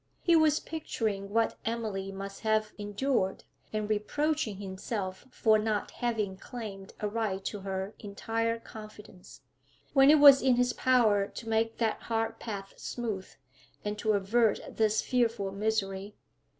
He was picturing what Emily must have endured, and reproaching himself for not having claimed a right to her entire confidence, when it was in his power to make that hard path smooth, and to avert this fearful misery.